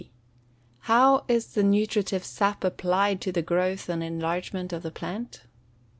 _How is the nutritive sap applied to the growth and enlargement of the plant?